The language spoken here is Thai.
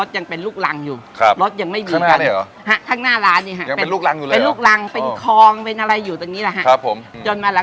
และก็มีกฎธรมมองอะไรอย่างงี้กราจการเยอะ